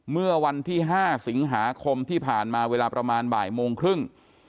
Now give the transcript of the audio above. เมื่อวันที่๕สิงหาคมที่ผ่านมาเวลาประมาณบ่ายโมงครึ่ง